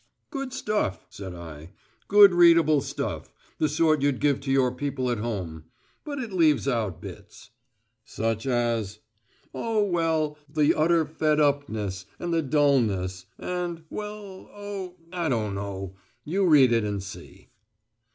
"Good stuff," said I. "Good readable stuff; the sort you'd give to your people at home. But it leaves out bits." "Such as ...?" "Oh, well, the utter fed upness, and the dullness and well, oh, I don't know. You read it and see."